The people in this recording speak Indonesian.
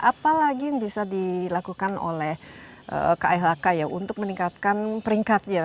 apalagi yang bisa dilakukan oleh khk untuk meningkatkan peringkatnya